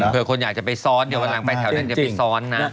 เผื่อคนอยากจะไปซ้อนเดี๋ยววันหลังไปแถวนี้จะไปซ้อนนะ